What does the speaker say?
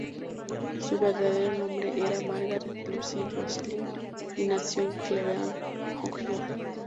Su verdadero nombre era Margaret Lucy Gosling, y nació en Cleveland, Ohio.